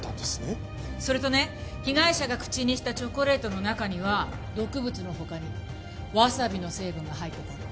それとね被害者が口にしたチョコレートの中には毒物の他にわさびの成分が入ってたって。